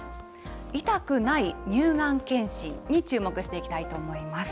痛くない乳がん検診に注目していきたいと思います。